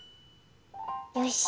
よし。